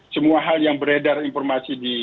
semua hal yang beredar informasi di